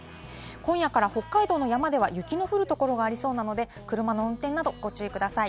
今夜から北海道の山では雪の降るところがありそうなので、車の運転などご注意ください。